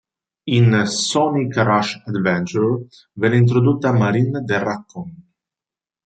In "Sonic Rush Adventure" venne introdotta Marine the Raccoon.